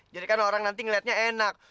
jadi kan orang nanti ngeliatnya enak